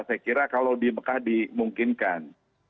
saya kira kalau di mekah dimungkinkan